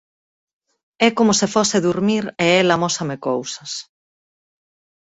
É como se fose durmir e el amósame cousas.